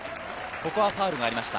ここはファウルがありました。